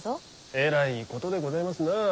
えらいことでございますなあ。